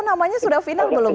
namanya sudah final belum